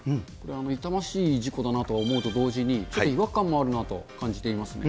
痛ましい事故だなと思うと同時に、ちょっと違和感もあるなと感じていますね。